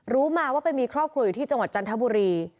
รู้มาว่าไปมีครอบครัวอยู่ที่จังหวัดจันทบุรี